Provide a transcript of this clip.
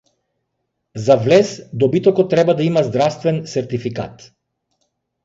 За влез добитокот треба да има здравствен сертификат